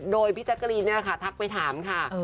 โดยพี่แจ๊กกะลีนทักไปถามค่ะ